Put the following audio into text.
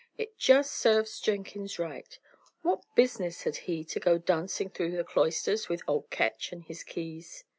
"It just serves Jenkins right. What business had he to go dancing through the cloisters with old Ketch and his keys?"